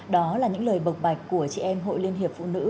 đó là những lời bộc bạch của chị em hội liên hiệp phụ nữ